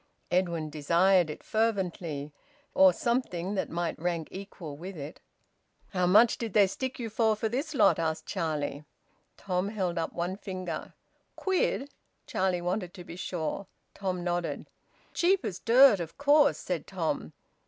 Edwin desired it fervently, or something that might rank equal with it. "How much did they stick you for this lot?" asked Charlie. Tom held up one finger. "Quid?" Charlie wanted to be sure. Tom nodded. "Cheap as dirt, of course!" said Tom.